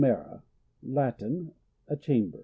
Camera. — Latin. A chamber.